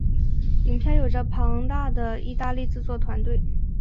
影片有着庞大的意大利制作团队。